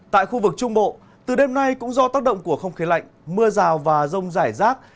tại khu vực trung bộ từ đêm nay cũng do tác động của không khí lạnh mưa rào và rông rải rác